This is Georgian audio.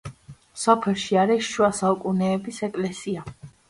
სოფელში არის შუა საუკუნეების ეკლესია.